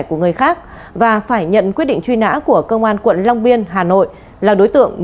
kính chào quý vị và các bạn đến với